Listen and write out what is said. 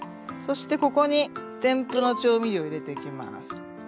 そしてここに添付の調味料を入れていきます。